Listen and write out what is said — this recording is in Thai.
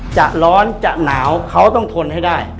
จะร้อนจะหนาวเขาต้องทนให้ได้